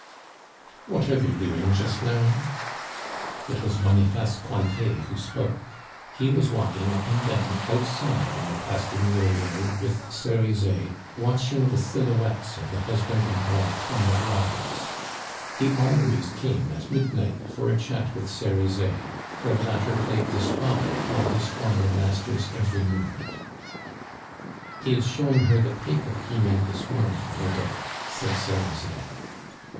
"What are they doing just now?" It was Boniface Cointet who spoke. He was walking up and down outside in the Place du Murier with Cerizet watching the silhouettes of the husband and wife on the blinds. He always came at midnight for a chat with Cerizet, for the latter played the spy upon his former master's every movement. "He is showing her the paper he made this morning, no doubt," said Cerizet.